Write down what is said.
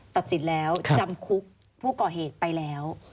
ตัดสินแล้วจำคุกผู้ก่อเหตุไปแล้ว